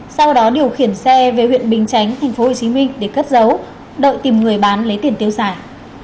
sau đó điều khiển xe về huyện bình chánh tp hcm để cất giấu đợi tìm người bán lấy tiền tiêu xài